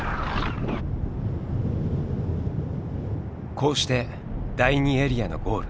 こうして第２エリアのゴール